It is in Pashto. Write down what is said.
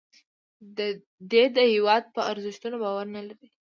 دی د هیواد په ارزښتونو باور نه لري